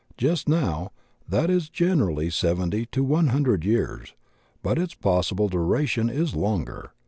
Just now, that is generally seventy to one hundred years, but its possible duration is longer.